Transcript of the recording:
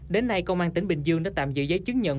đến nay công an tỉnh bình dương đã tạm giữ giấy chứng nhận